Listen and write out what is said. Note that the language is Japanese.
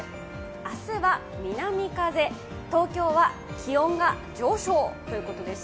明日は南風、東京は気温が上昇ということです。